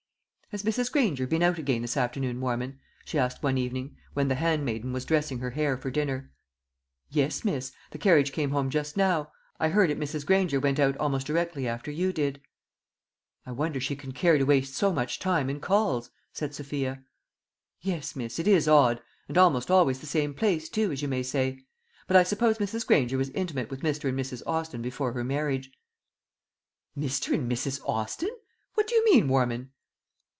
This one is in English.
"Has Mrs. Granger been out again this afternoon, Warman?" she asked one evening, when the handmaiden was dressing her hair for dinner. "Yes, miss. The carriage came home just now. I heard it. Mrs. Granger went out almost directly after you did." "I wonder she can care to waste so much time in calls," said Sophia. "Yes, miss, it is odd; and almost always the same place too, as you may say. But I suppose Mrs. Granger was intimate with Mr. and Mrs. Austin before her marriage." "Mr. and Mrs. Austin! What do you mean, Warman?"